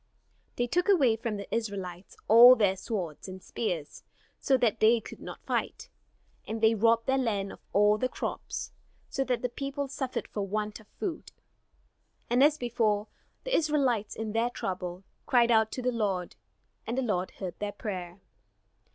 They took away from the Israelites all their swords and spears, so that they could not fight; and they robbed their land of all the crops, so that the people suffered for want of food. And as before, the Israelites in their trouble, cried out to the Lord, and the Lord heard their prayer.